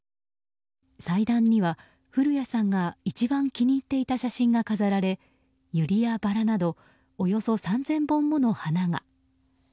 祭壇には古谷さんが一番気に入っていた写真が飾られユリやバラなどおよそ３０００本の花が。